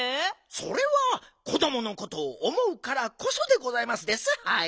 それは子どものことをおもうからこそでございますですはい。